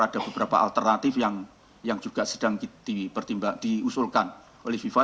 ada beberapa alternatif yang juga sedang diusulkan oleh fifa